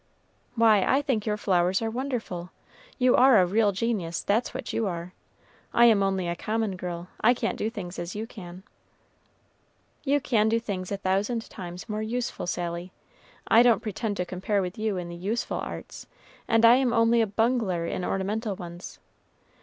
"Why, I think your flowers are wonderful! You are a real genius, that's what you are! I am only a common girl; I can't do things as you can." "You can do things a thousand times more useful, Sally. I don't pretend to compare with you in the useful arts, and I am only a bungler in ornamental ones.